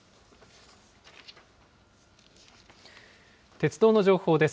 鉄道の情報です。